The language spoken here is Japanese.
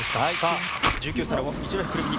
１９歳の一戸くる実。